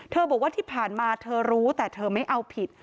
บอกว่าที่ผ่านมาเธอรู้แต่เธอไม่เอาผิด